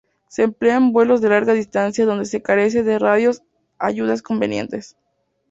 Se emplea en vuelos de larga distancia donde se carece de radio ayudas convenientes.